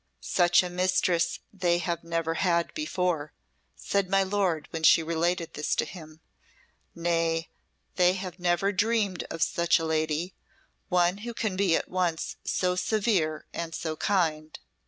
"Such a mistress they have never had before," said my lord when she related this to him. "Nay, they have never dreamed of such a lady one who can be at once so severe and so kind.